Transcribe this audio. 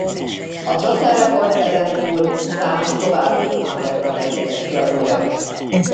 A Trottel Records ezen túl számos további underground együttes kiadója.